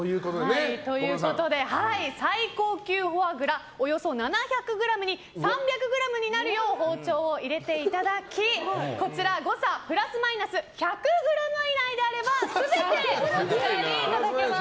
最高級フォアグラおよそ７００ｇに３００ｇになるように包丁を入れていただきこちらは誤差プラスマイナス１００ｇ以内であれば全て持ち帰りいただけます。